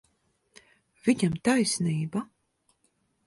Viņam taisnība.